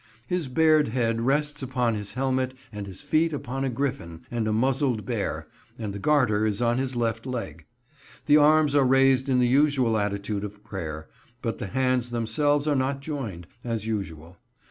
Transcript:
His bared head rests upon his helmet and his feet upon a griffin and a muzzled bear, and the Garter is on his left leg. The arms are raised in the usual attitude of prayer, but the hands themselves are not joined, as usual.